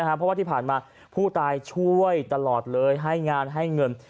เพราะว่าที่ผ่านมาผู้ตายช่วยตลอดเลยให้งานให้เงิน